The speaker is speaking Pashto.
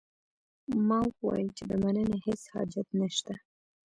ما وویل چې د مننې هیڅ حاجت نه شته.